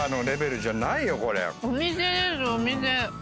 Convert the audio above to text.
お店ですお店。